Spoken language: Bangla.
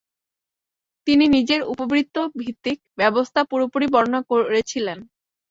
তিনি নিজের উপবৃত্ত-ভিত্তিক ব্যবস্থা পুরোপুরি বর্ণনা করেছিলেন।